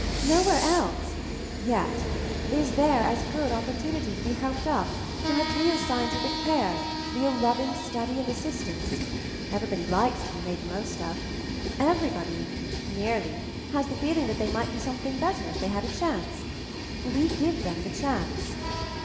Nowhere else — yet — is there as good opportunity to be helped up, to have real scientific care, real loving study and assistance ! Everybody likes to be made the most of! Everybody — nearly — has the feeling that they might be something better if they had a chancel We give them the chance."